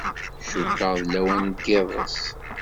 Cukkeɣ d lawan n yiḍes.